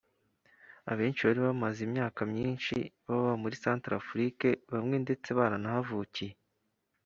Abenshi bari bamaze imyaka myinshi baba muri Centrafrique bamwe ndetse baranahavukiye